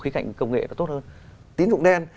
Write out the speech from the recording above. khía cạnh công nghệ tốt hơn tín dụng đen